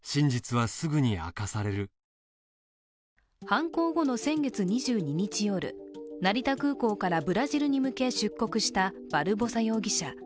犯行後の先月２２日夜成田空港からブラジルに向け出国したバルボサ容疑者。